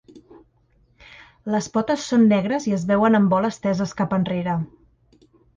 Les potes són negres i es veuen en vol esteses cap enrere.